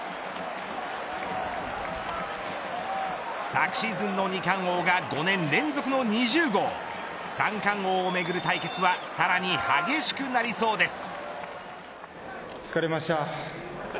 昨シーズンの二冠王が５年連続の２０号三冠王をめぐる対決はさらに激しくなりそうです。